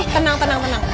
tenang tenang tenang